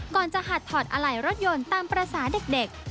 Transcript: ก่อนจะหัดถอดอะไหล่รถยนต์ตามภาษาเด็ก